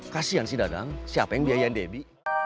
kasian si dadang siapa yang biayain debi